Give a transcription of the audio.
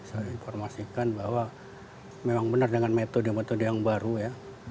saya informasikan bahwa memang benar dengan metode metode yang baru ya